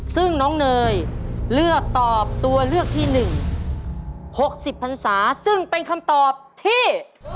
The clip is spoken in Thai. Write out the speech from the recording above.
ซึ่งน้องเนยเลือกตอบตัวเลือกที่๑๖๐พันศาซึ่งเป็นคำตอบที่